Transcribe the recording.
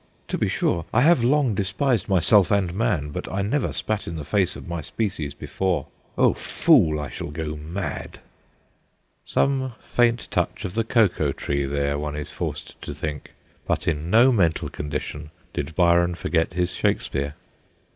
" To be sure, I have long despised myself and man, but I never spat in the face of my species before " O fool ! I shall go mad !"' Some faint touch of the Cocoa Tree there, one is forced to think, but in no mental condition did Byron forget his Shakespeare.